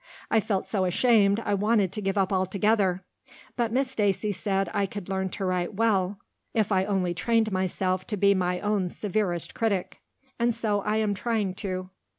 I felt so ashamed I wanted to give up altogether, but Miss Stacy said I could learn to write well if I only trained myself to be my own severest critic. And so I am trying to."